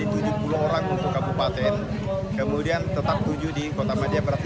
meningkat menjadi tujuh puluh orang untuk kabupaten kemudian tetap tujuh di kodam adia berat